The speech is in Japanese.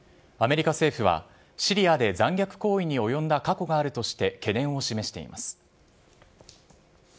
アメリカ政府は、シリアで残虐行為に及んだ過去があるとして、懸念を示しています。